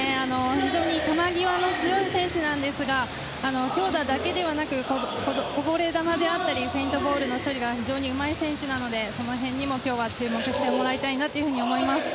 非常に球際、強い選手なんですが強打だけではなくこぼれ球であったりフェイントボールの処理が非常にうまい選手なのでその辺にも今日は注目してもらいたいと思います。